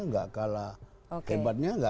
tidak kalah hebatnya